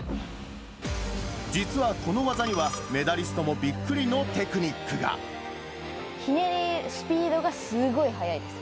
実はこの技には、メダリストもびひねり、スピードがすごい速いです。